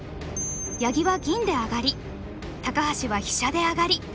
八木は銀でアガり高橋は飛車でアガり。